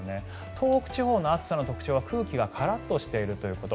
東北地方の暑さの特徴は空気がカラッとしているということ。